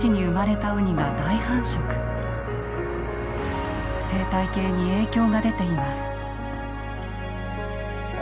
生態系に影響が出ています。